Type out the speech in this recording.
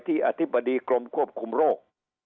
อธิบดีกรมควบคุมโรค